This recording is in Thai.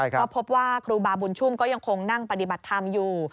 ก็พบว่าครูบาบุญชุ่มก็ยังคงนั่งปฏิบัติธรรมอยู่